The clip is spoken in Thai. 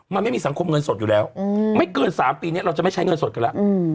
มันไม่มีสังคมเงินสดอยู่แล้วไม่เกิน๓ปีนี้เราจะไม่ใช้เงินสดกันแล้ว